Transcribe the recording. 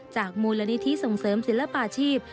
มูลนิธิส่งเสริมศิลปาชีพ